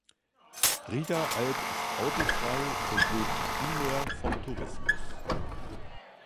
Riederalp ist autofrei und lebt primär vom Tourismus.